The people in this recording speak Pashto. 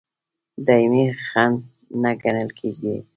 دایمي خنډ نه ګڼل کېدی.